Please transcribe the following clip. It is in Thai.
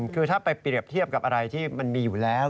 คือถ้าไปเปรียบเทียบกับอะไรที่มันมีอยู่แล้ว